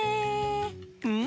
うん！